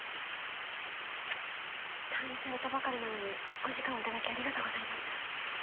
退院されたばかりなのにお時間を頂きありがとうございます。